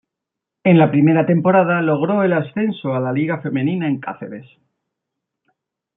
En la primera temporada logró el ascenso a Liga Femenina en Cáceres.